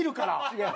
違う。